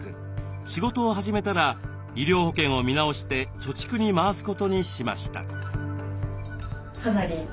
仕事を始めたら医療保険を見直して貯蓄に回すことにしました。